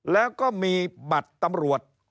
แล้วก็มีบัตรตำรวจ